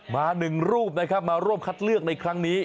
หนึ่งรูปนะครับมาร่วมคัดเลือกในครั้งนี้